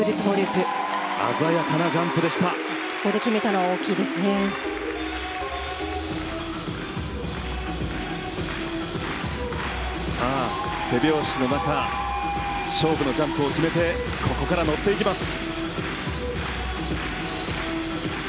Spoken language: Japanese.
手拍子の中勝負のジャンプを決めてここから乗っていきます。